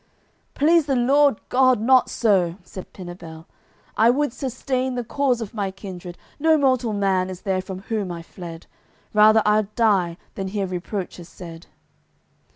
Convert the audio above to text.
"Please the Lord God, not so!" said Pinabel. "I would sustain the cause of my kindred No mortal man is there from whom I've fled; Rather I'ld die than hear reproaches said."